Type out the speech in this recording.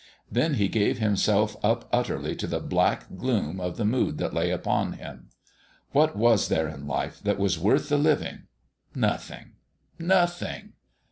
Then he gave himself up utterly to the black gloom of the mood that lay upon him. What was there in life that was worth the living? Nothing nothing.